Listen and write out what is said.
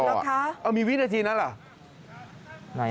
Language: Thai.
อ้าวมีวินาทีนั้นหรือ